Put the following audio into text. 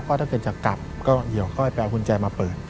ก็ถ้าเกิดจะกลับก็ไปเอาหุ้นแจมาเปิด